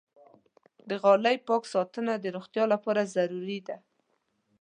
د غالۍ پاک ساتنه د روغتیا لپاره ضروري ده.